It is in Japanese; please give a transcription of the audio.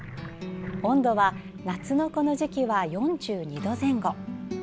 温度は夏のこの時期は４２度前後。